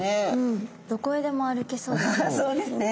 どこへでも歩けそうですよね。